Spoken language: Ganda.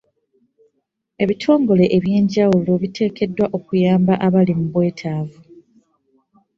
Ebitongole ebyenjawulo biteekeddwa okuyamba abali mu bwetaavu.